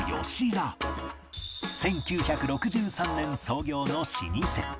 １９６３年創業の老舗